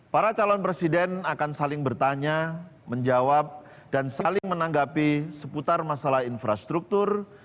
para calon presiden akan saling bertanya menjawab dan saling menanggapi seputar masalah infrastruktur